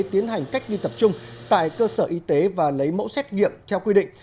tiến hành cách ly tập trung tại cơ sở y tế và lấy mẫu xét nghiệm theo quy định